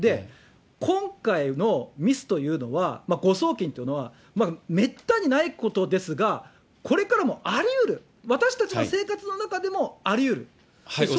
今回のミスというのは、誤送金というのは、めったにないことですが、これからもありうる、私たちの生活の中でもありうる。